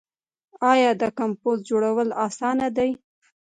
آیا د کمپوسټ جوړول اسانه دي؟